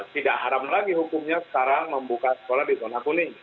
tidak haram lagi hukumnya sekarang membuka sekolah di zona kuning